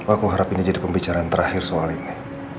aku harap ini jadi pembicaraan terakhir soal ini